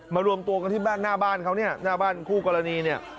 มารวมตัวกันที่หน้าบ้านเขาหน้าบ้านคู่กรณี